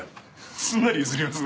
すんなり譲りますね。